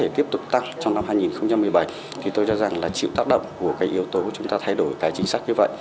tiếp tục tăng trong năm hai nghìn một mươi bảy tôi cho rằng là chịu tác động của yếu tố chúng ta thay đổi chính sách như vậy